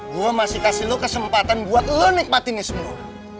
gue masih kasih lo kesempatan buat lo nikmatin ini semua